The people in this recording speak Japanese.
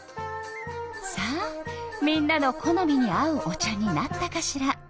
さあみんなの好みに合うお茶になったかしら？